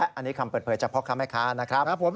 อันนี้คำเปิดเผยจากพ่อค้าแม่ค้านะครับ